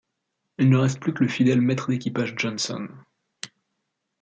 Il ne reste plus que le fidèle maître d'équipage Johnson.